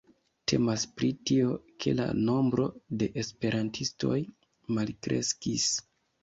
Temas pri tio, ke la nombro de esperantistoj malkreskis.